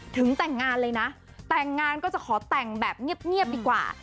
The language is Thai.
ถึงแต่งงานเลยนะแต่งงานก็จะขอแต่งแบบเงียบดีกว่า